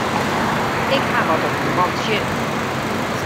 Ik haw wat op dy man tsjin.